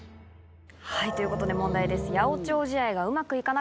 はいということで問題です。